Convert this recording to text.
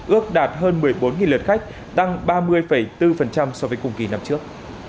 ước đạt hơn một mươi bốn lượt khách tăng ba mươi bốn so với cùng kỳ năm trước